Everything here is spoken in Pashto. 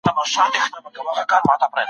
واعضِه تا مطرب ته چېري غوږ نېولی نه دی